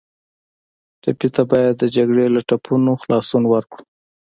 ټپي ته باید د جګړې له ټپونو خلاصون ورکړو.